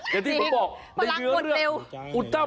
อย่างที่ผมบอกอุธมองรุ่นเร็ว